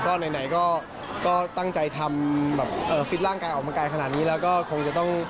ก็ไหนก็ตั้งใจทำแบบฟิตร่างกายออกมาไกลขนาดนี้แล้วก็คงจะต้อง